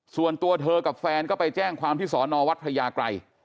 ส่วนตัวเธอกับแฟนก็ไปแจ้งความที่สอนอวัดพระยากรัย